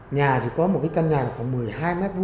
nhà chỉ có một căn nhà khoảng một mươi hai m hai